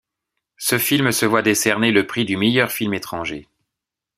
Ce film se voit décerner le prix du meilleur film étranger.